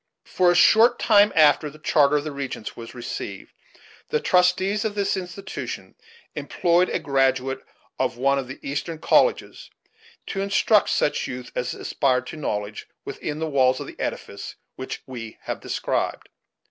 For a short time after the charter of the regents was received, the trustees of this institution employed a graduate of one of the Eastern colleges to instruct such youth as aspired to knowledge within the walls of the edifice which we have described.